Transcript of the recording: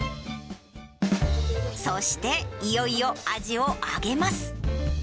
そして、いよいよアジを揚げます。